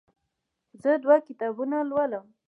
زه دوه کتابونه لولم.